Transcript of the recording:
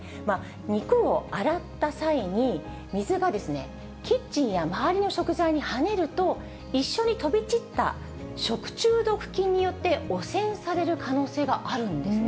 肉を洗った際に、水がキッチンや周りの食材にはねると、一緒に飛び散った食中毒菌によって、汚染される可能性があるんですね。